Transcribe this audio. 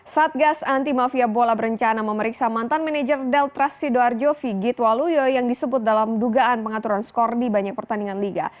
satgas anti mafia bola berencana memeriksa mantan manajer deltras sidoarjo figit waluyo yang disebut dalam dugaan pengaturan skor di banyak pertandingan liga